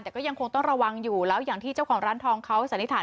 แต่ก็ยังคงต้องระวังอยู่แล้วอย่างที่เจ้าของร้านทองเขาสันนิษฐาน